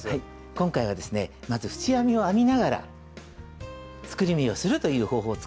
今回はですねまず縁編みを編みながら作り目をするという方法を使いました。